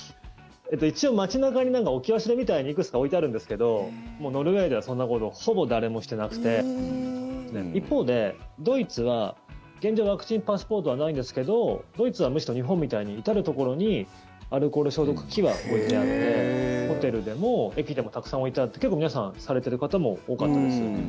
一応、街中に置き忘れみたいにいくつか置いてあるんですけどもうノルウェーではそんなことほぼ誰もしてなくて一方でドイツは現状、ワクチンパスポートはないんですけどドイツは、むしろ日本みたいに至るところにアルコール消毒機が置いてあってホテルでも駅でもたくさん置いてあって結構、皆さんされてる方も多かったですよね。